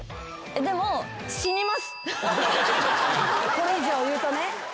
これ以上言うとね。